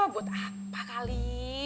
buat apa kali